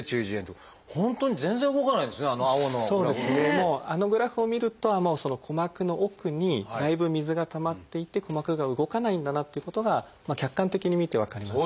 もうあのグラフを見ると鼓膜の奥にだいぶ水がたまっていて鼓膜が動かないんだなっていうことが客観的に見て分かります。